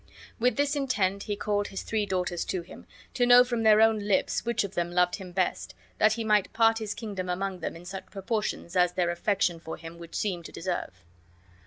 With this intent he called his three daughters to him, to know from their own lips which of them loved him best, that he might part his kingdom among them in such proportions as their affection for him should seem to deserve.